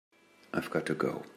I've got to go.